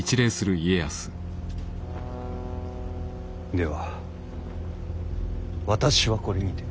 では私はこれにて。